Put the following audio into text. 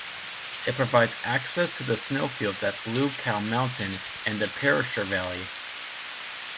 It provides access to the snowfields at Blue Cow Mountain and the Perisher Valley.